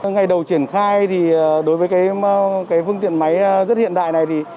ngày đầu triển khai thì đối với cái phương tiện máy rất hiện đại này thì